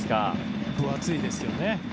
分厚いですよね。